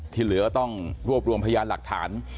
ที่เหลือต้องรวบรวมพยานหลักฐาน